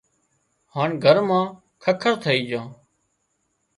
هانَ گھر مان ککر ٿئي جھان